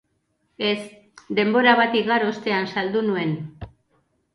Ez, denbora bat igaro ostean saldu nuen.